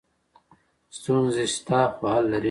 ستونزې شته خو حل لري.